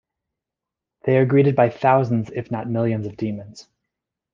They are greeted by thousands if not millions of demons.